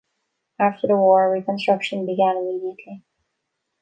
After the war, reconstruction began immediately.